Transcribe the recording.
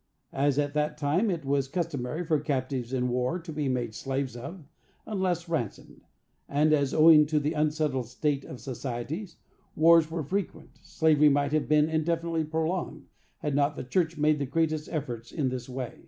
As at that time it was customary for captives in war to be made slaves of, unless ransomed, and as, owing to the unsettled state of society, wars were frequent, slavery might have been indefinitely prolonged, had not the church made the greatest efforts in this way.